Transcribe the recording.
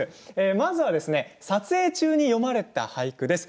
まずは撮影中に詠まれた俳句です。